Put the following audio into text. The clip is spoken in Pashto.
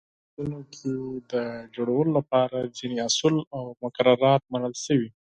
په زیاترو هېوادونو کې د تولید لپاره ځینې اصول او مقررات منل شوي.